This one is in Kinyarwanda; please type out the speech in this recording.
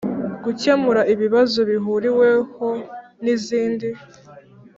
Gukemura ibibazo bihuriweho n izindi